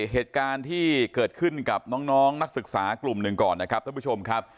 เหตุการณ์ที่เกิดขึ้นกับน้องนักศึกษากลุ่มหนึ่งก่อนนะครับท่านผู้ชมครับ